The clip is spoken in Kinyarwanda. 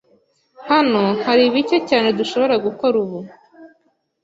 Hano hari bike cyane dushobora gukora ubu.